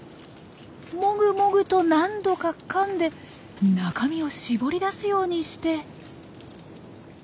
モグモグと何度かかんで中身を絞り出すようにして。